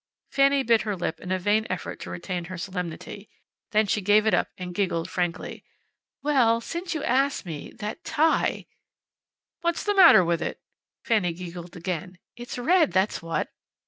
Fanny bit her lip in a vain effort to retain her solemnity. Then she gave it up and giggled, frankly. "Well, since you ask me, that tie! " "What's the matter with it?" Fanny giggled again. "It's red, that's what."